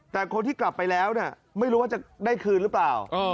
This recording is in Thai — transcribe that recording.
แต่คนที่กลับไปแล้วเนี่ยไม่รู้ว่าจะได้คืนหรือเปล่า